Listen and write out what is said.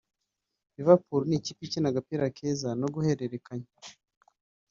Liverpool ni ikipe ikina agapira keza ko guhererekanya